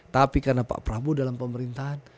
tapi karena pak prabowo dalam pemerintahan